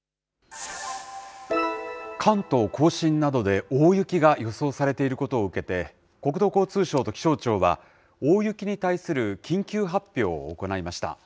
関東甲信などで大雪が予想されていることを受けて、国土交通省と気象庁は、大雪に対する緊急発表を行いました。